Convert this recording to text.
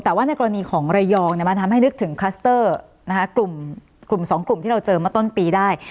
แต่ว่าในกรณีของระยองมันทำให้นึกถึงคลัสเตอร์กลุ่มสองกลุ่มที่เราเจอมาต้นปีได้